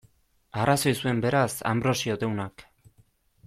Arrazoi zuen, beraz, Anbrosio deunak.